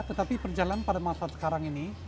tetapi perjalanan pada masa sekarang ini